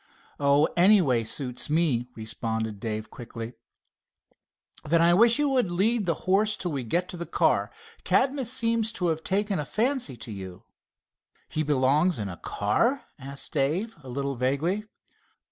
"Oh, any way suits me," responded Dave quickly. "Then I wish you would lead the horse till we get to the car. Cadmus seems to have taken quite a fancy to you." "He belongs in a car?" asked Dave, a little vaguely.